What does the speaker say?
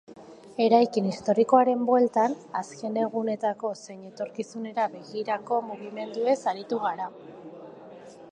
Eraikin historikoaren bueltan, azken egunetako zein etorkizunera begirako mugimenduez aritu gara.